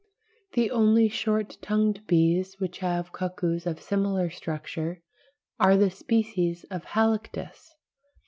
The only short tongued bees which have cuckoos of similar structure are the species of Halictus (pl.